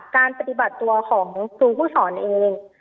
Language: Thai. การปฏิบัติตัวของครูผู้สอนเอง